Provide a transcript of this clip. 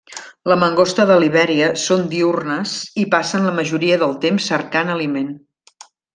La mangosta de Libèria són diürnes i passen la majoria del temps cercant aliment.